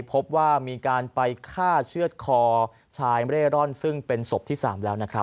พบว่ามีการไปฆ่าเชื่อดคอชายเร่ร่อนซึ่งเป็นศพที่๓แล้วนะครับ